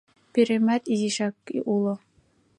Пӱремат изишак уло.